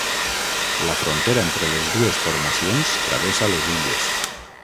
La frontera entre les dues formacions travessa les illes.